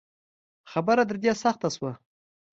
خبره تر دې سخته شوه